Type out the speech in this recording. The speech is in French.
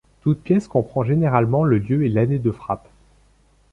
Toute pièce comprend généralement le lieu et l'année de frappe.